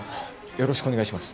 よろしくお願いします。